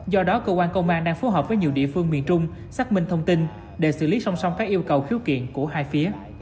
do đó cơ quan công an đang phối hợp với nhiều địa phương miền trung xác minh thông tin để xử lý song song các yêu cầu khiếu kiện của hai phía